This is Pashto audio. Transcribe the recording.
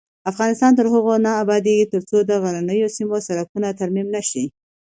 افغانستان تر هغو نه ابادیږي، ترڅو د غرنیو سیمو سړکونه ترمیم نشي.